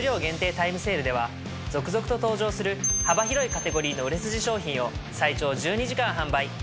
では続々と登場する幅広いカテゴリーの売れ筋商品を最長１２時間販売。